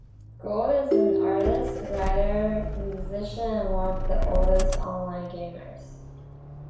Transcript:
Gold is an artist, writer, musician and one of the oldest online gamers.